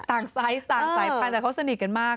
ไซส์ต่างสายพันธุ์แต่เขาสนิทกันมาก